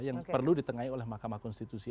yang perlu di tengahin oleh mahkamah konstitusi